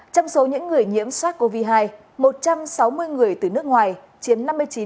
trong số những người nhiễm sars cov hai một trăm sáu mươi người từ nước ngoài chiếm năm mươi chín